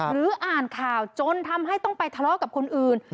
อ่านข่าวจนทำให้ต้องไปทะเลาะกับคนอื่น